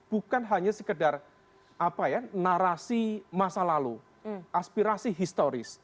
bukan hanya sekedar apa ya narasi masa lalu aspirasi historis